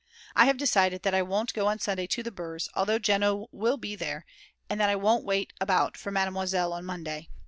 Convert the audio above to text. I have decided that I won't go on Sunday to the Brs. although Jeno will be there, and that I won't wait about for Mademoiselle on Monday.